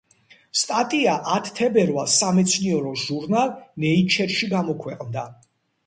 სტატია ათ თებერვალს სამეცნიერო ჟურნალ „ნეიჩერში“ გამოქვეყნდა.